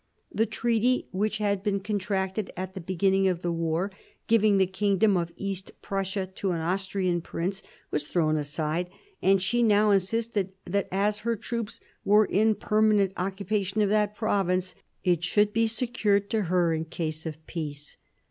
The treaty which had been contracted at the beginning of the war, giving the kingdom of East Prussia to an Austrian prince, was throwiPasTde ;~ and she now insisted that, as her troops were in permanent occu pation of that province, it should be secured to her in case of peace.